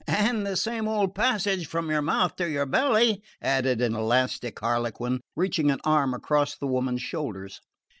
"And the same old passage from your mouth to your belly," added an elastic Harlequin, reaching an arm across the women's shoulders.